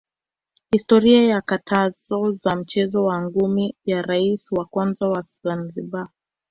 historia ya katazo za mchezo wa ngumi ya raisi wa kwanza wa Zanzibar